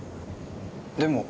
でも。